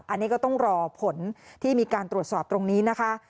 อันนี้ก็ต้องรอผลที่มีการตรวจสอบตรงนี้นะคะ